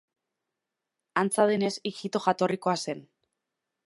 Antza denez, ijito jatorrikoa zen.